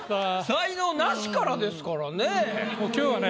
才能ナシからですからね。